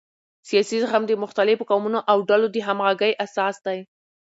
سیاسي زغم د مختلفو قومونو او ډلو د همغږۍ اساس دی